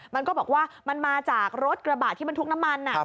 มันก็บอกว่ามันมาจากรถกระบะที่บรรทุกน้ำมัน